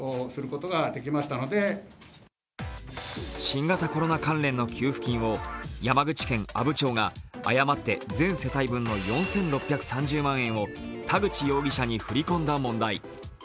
新型コロナ関連の給付金を山口県阿武町が全世帯分の４６３０万円を田口容疑者に振り込んだ問題。